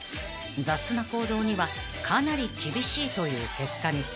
［雑な行動にはかなり厳しいという結果に］